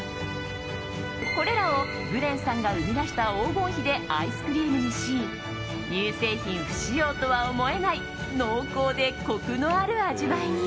これらをグレンさんが生み出した黄金比でアイスクリームにし乳製品不使用とは思えない濃厚でコクのある味わいに。